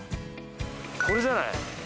これじゃない？